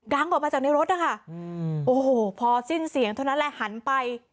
ออกมาจากในรถนะคะโอ้โหพอสิ้นเสียงเท่านั้นแหละหันไป